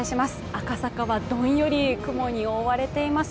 赤坂は、どんより雲に覆われています。